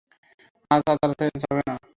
আজ আদালতে যাবে না?